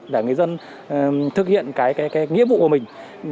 để người dân thực hiện cái nghĩa vụ của mình